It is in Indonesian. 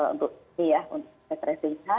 untuk ini ya untuk tracingnya